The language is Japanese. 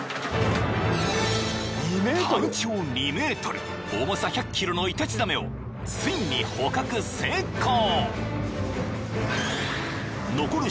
［体長２ｍ重さ１００ｋｇのイタチザメをついに捕獲成功！］